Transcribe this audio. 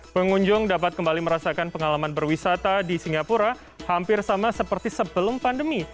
pengunjung dapat kembali merasakan pengalaman berwisata di singapura hampir sama seperti sebelum pandemi